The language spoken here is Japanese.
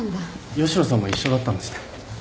吉野さんも一緒だったんですね。